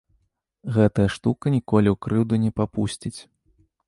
Гэтая штука ніколі ў крыўду не папусціць.